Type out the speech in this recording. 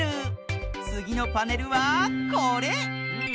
つぎのパネルはこれ！